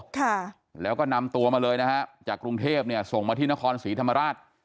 ค่ะแล้วก็นำตัวมาเลยนะฮะจากกรุงเทพเนี่ยส่งมาที่นครศรีธรรมราช